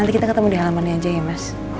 nanti kita ketemu di halamannya aja ya mas